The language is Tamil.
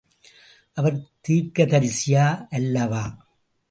அவர் தீர்க்கதரிசியா அல்லவா?